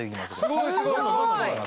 すごいすごい。